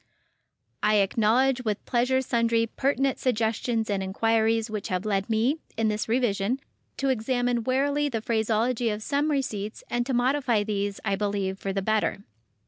I acknowledge with pleasure sundry pertinent suggestions and inquiries which have led me, in this revision, to examine warily the phraseology of some receipts and to modify these, I believe, for the better.